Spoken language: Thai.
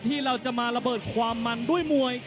ที่เราจะมาระเบิดความมันด้วยมวย